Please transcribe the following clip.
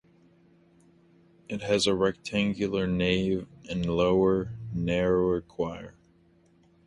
It has a rectangular nave and lower, narrower choir.